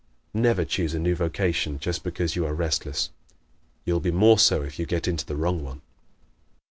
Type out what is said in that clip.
Never choose a new vocation just because you are restless. You will be more so if you get into the wrong one.